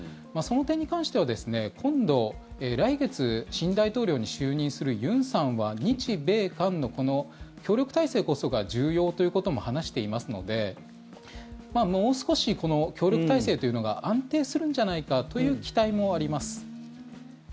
その点に関しては今度来月、新大統領に就任する尹さんは日米韓の協力体制こそが重要ということも話してますのでもう少しこの協力体制というのが安定するんじゃないかという期待もあります。